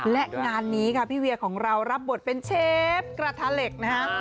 และงานนี้ค่ะพี่เวียของเรารับบทเป็นเชฟกระทะเหล็กนะฮะ